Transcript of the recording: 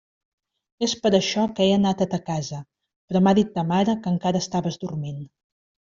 És per això que he anat a ta casa, però m'ha dit ta mare que encara estaves dormint.